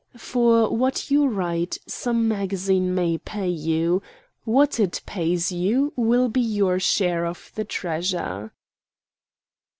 For what you write, some magazine may pay you. What it pays you will be your share of the treasure."